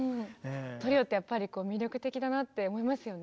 トリオってやっぱり魅力的だなって思いますよね。